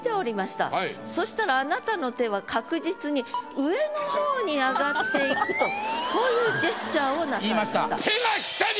そしたらあなたの手は確実に上のほうに上がっていくとこういうジェスチャーをなさいました。